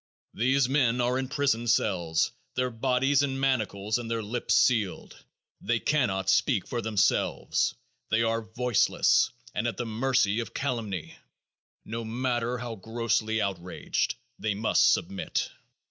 These men are in prison cells, their bodies in manacles and their lips sealed. They cannot speak for themselves. They are voiceless and at the mercy of calumny. No matter how grossly outraged, they must submit.